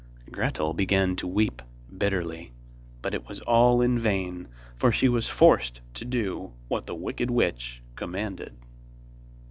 Gretel began to weep bitterly, but it was all in vain, for she was forced to do what the wicked witch commanded.